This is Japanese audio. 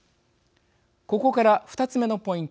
ここから２つ目のポイント